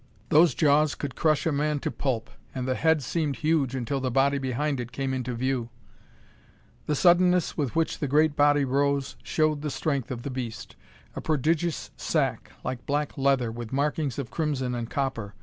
Those jaws could crush a man to pulp. And the head seemed huge until the body behind it came into view. The suddenness with which the great body rose showed the strength of the beast. A prodigious sack, like black leather, with markings of crimson and copper!